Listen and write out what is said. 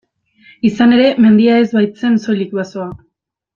Izan ere, mendia ez baitzen soilik basoa.